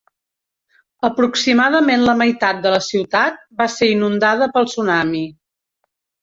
Aproximadament la meitat de la ciutat va ser inundada pel tsunami.